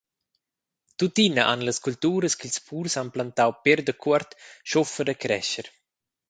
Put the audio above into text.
Tuttina han las culturas ch’ils purs han plantau pér dacuort schuffa da crescher.